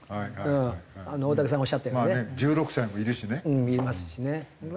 うんいますしね。